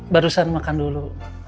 barusan makan dulu